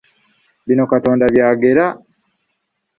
Bino Katonda by'agera!